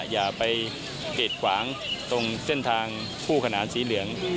อย่าไปเกรดขวางตรงเส้นทางคู่ขนานสีเหลือง